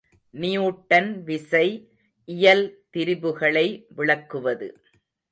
Newton விசை இயல் திரிபுகளை விளக்குவது.